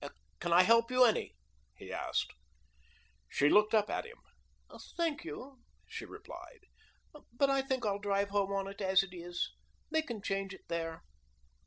"Can I help you any?" he asked. She looked up at him. "Thank you," she replied, "but I think I'll drive home on it as it is. They can change it there."